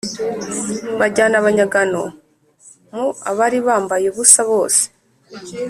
bajyana abanyagano mu abari bambaye ubusa bose